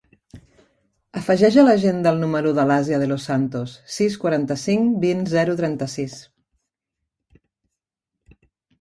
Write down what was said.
Afegeix a l'agenda el número de l'Asia De Los Santos: sis, quaranta-cinc, vint, zero, trenta-sis.